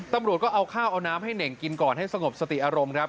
ตำรวจก็เอาข้าวเอาน้ำให้เน่งกินก่อนให้สงบสติอารมณ์ครับ